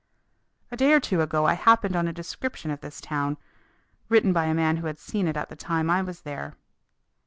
A day or two ago I happened on a description of this town, written by a man who had seen it at the time I was there.